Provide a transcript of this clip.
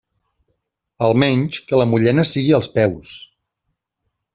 Almenys que la mullena sigui als peus.